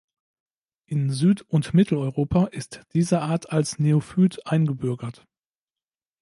In Süd- und Mitteleuropa ist diese Art als Neophyt eingebürgert.